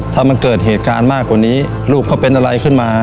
ถ้ามันเกิดเหตุการณ์มากกว่านี้ลูกเขาเป็นอะไรขึ้นมา